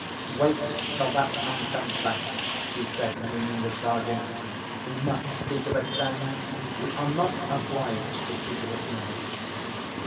"Wait till that man comes back," she said, meaning the Sergeant. "We must speak of it then: we are not obliged to speak of it now."